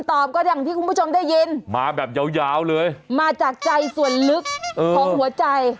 ตอบก็อย่างที่คุณผู้ชมได้ยินมาแบบยาวเลยมาจากใจส่วนลึกของหัวใจ